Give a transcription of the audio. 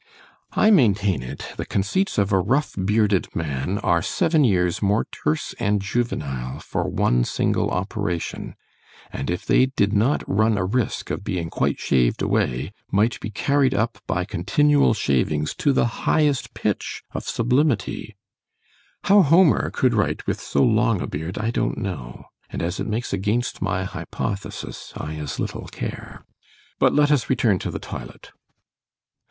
—— ——I maintain it, the conceits of a rough bearded man, are seven years more terse and juvenile for one single operation; and if they did not run a risk of being quite shaved away, might be carried up by continual shavings, to the highest pitch of sublimity—How Homer could write with so long a beard, I don't know——and as it makes against my hypothesis, I as little care——But let us return to the Toilet.